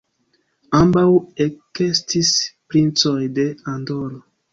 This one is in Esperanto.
Ambaŭ ekestis princoj de Andoro.